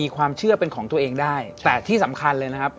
ความเชื่อเป็นของตัวเองได้แต่ที่สำคัญเลยนะครับ